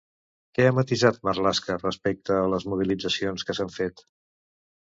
Què ha matisat Marlaska respecte a les mobilitzacions que s'han fet?